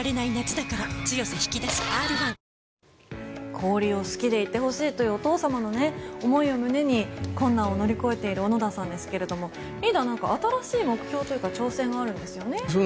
氷を好きでいてほしいというお父様の思いを胸に困難を乗り越えている小野田さんですがリーダー、新しい目標というか挑戦があるんですよね。